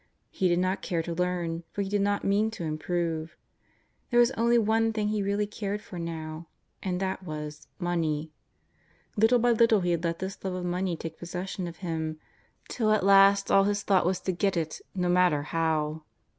He did not care to learn, for he did not mean to improve. There was only one thing he really cared for now, and that was — money. Little by little he had let this love of money take possession of him, till at last all his thought was to get it, no matter how.